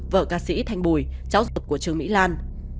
vợ ca sĩ thanh bùi cháu dục của trương mỹ lan